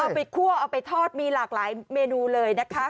ไปคั่วเอาไปทอดมีหลากหลายเมนูเลยนะคะ